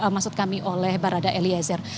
maksud kami oleh barada eliezer